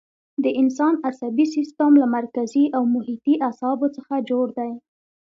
د انسان عصبي سیستم له مرکزي او محیطي اعصابو څخه جوړ دی.